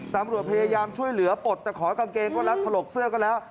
ตำรวจพยายามช่วยเหลือปลดแต่ขอกางเกงก็รัดถลกเสื้อก็แล้ว